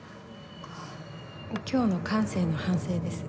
今日の管制の反省です。